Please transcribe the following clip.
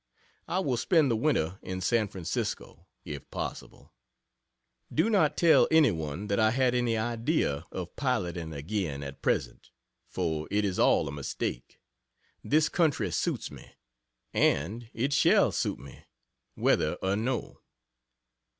I will spend the winter in San Francisco, if possible. Do not tell any one that I had any idea of piloting again at present for it is all a mistake. This country suits me, and it shall suit me, whether or no....